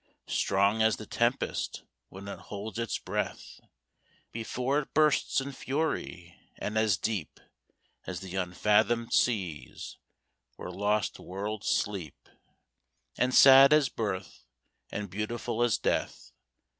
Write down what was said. Strong as the tempest when it holds its breath, Before it bursts in fury; and as deep As the unfathomed seas, where lost worlds sleep And sad as birth, and beautiful as death.